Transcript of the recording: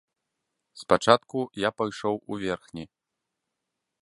Спачатку я пайшоў у верхні.